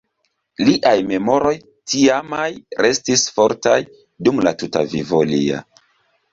Liaj memoroj tiamaj restis fortaj dum la tuta vivo lia.